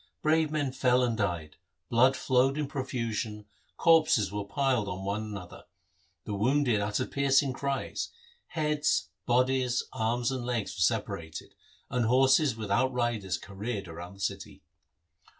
Brave men fell and died, blood flowed in profusion, corpses were piled on one another, the wounded uttered piercing cries ; heads, bodies, arms, and legs were separated, and horses without riders careered round the city.